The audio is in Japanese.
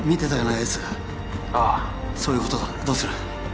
エース☎ああそういうことだどうする？